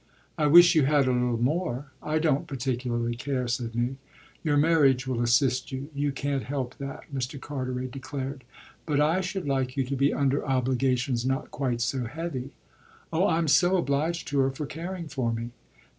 "I wish you had a little more." "I don't particularly care," said Nick. "Your marriage will assist you; you can't help that," Mr. Carteret declared. "But I should like you to be under obligations not quite so heavy." "Oh I'm so obliged to her for caring for me